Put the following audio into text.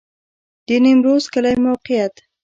د نیمروز کلی موقعیت